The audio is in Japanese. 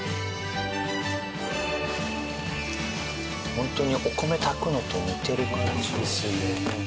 ホントにお米炊くのと似てる感じ。